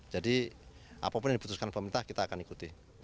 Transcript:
jadi apapun yang diputuskan pemerintah kita akan ikuti